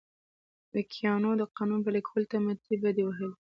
ویګیانو د قانون پلي کولو ته مټې بډ وهلې.